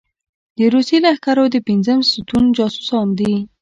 د روسي لښکرو د پېنځم ستون جاسوسان دي.